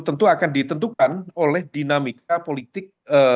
tentu akan ditentukan oleh dinamika politik